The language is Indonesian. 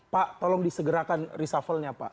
pak tolong disegerakan reshuffle nya pak